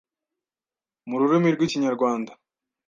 mu rurimi rw’ikinyarwanda.